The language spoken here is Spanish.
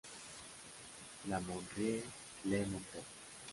La Monnerie-le-Montel